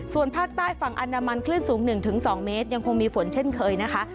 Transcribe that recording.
ส่วนภาคใต้ฝั่งอนามันคลื่นสูง๑๒เมตรยังคงมีฝนเช่นเคยนะคะ